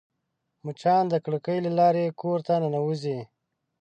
مچان د کړکۍ له لارې کور ته ننوزي